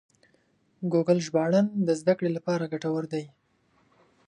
ګوګل ژباړن د زده کړې لپاره ګټور دی.